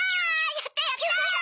やったやった！